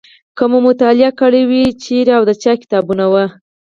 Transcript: که مو مطالعه کړي وي چیرې او د چا کتابونه وو.